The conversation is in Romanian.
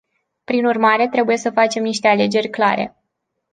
Prin urmare, trebuie să facem niște alegeri clare.